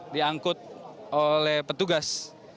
diangkut oleh petugas